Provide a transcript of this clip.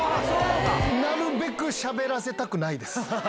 なるべくしゃべらせたくないです。